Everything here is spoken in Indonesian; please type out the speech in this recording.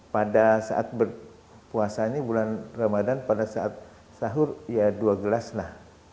pada saat berpuasa ini bulan ramadan pada saat sahur ya dua gelas lah